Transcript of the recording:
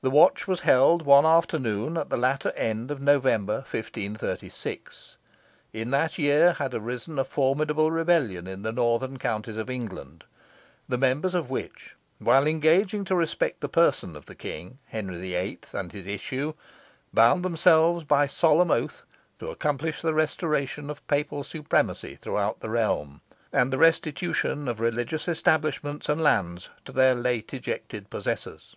The watch was held one afternoon at the latter end of November, 1536. In that year had arisen a formidable rebellion in the northern counties of England, the members of which, while engaging to respect the person of the king, Henry VIII., and his issue, bound themselves by solemn oath to accomplish the restoration of Papal supremacy throughout the realm, and the restitution of religious establishments and lands to their late ejected possessors.